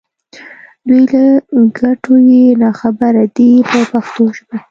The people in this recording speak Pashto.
دوی له ګټو یې نا خبره دي په پښتو ژبه.